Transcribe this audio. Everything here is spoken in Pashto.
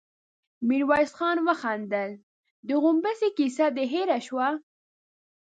ميرويس خان وخندل: د غومبسې کيسه دې هېره شوه؟